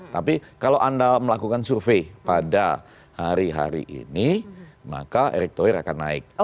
tapi kalau anda melakukan survei pada hari hari ini maka erick thohir akan naik